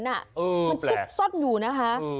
มันซุกซ่อนอยู่นะคะ